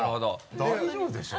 大丈夫でしょ。